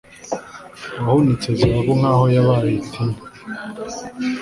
wahunitse zahabu nk'aho yabaye itini